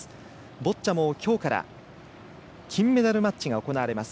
ボッチャもきょうから金メダルマッチが行われます。